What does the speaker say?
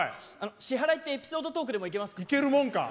支払いってエピソードトークでもいけるもんか！